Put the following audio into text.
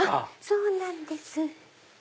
そうなんです。